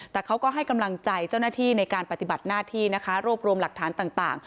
แต่เขาก็ให้กำลังใจเจ้าหน้าที่ในการปฏิบัติหน้าที่นะคะรวบรวมหลักฐานต่าง